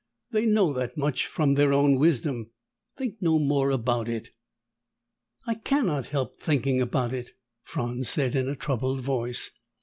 "They know that much from their own wisdom. Think no more about it." "I cannot help thinking about it," Franz said in a troubled voice.